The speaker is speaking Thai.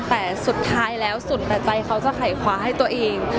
แต่สุดท้ายแล้วสุดแต่ใจเขาจะไข่คว้าให้ตัวเอง